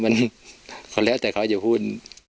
คนพูดนะมันเขาเลี้ยวแต่เขาจะพูด